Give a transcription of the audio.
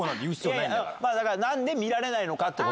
だから何で見られないのか？